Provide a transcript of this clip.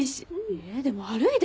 えでも悪いでしょ。